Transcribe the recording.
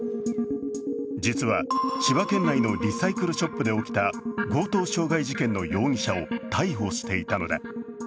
実は、千葉県内のリサイクルショップで起きた強盗傷害事件の容疑者を逮捕していたのだ。